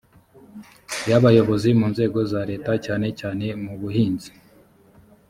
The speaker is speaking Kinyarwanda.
y abayobozi mu nzego za leta cyane cyane mubuhinzi